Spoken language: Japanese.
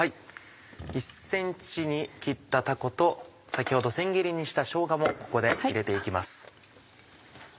１ｃｍに切ったたこと先ほど千切りにしたしょうがもここで入れて行きます。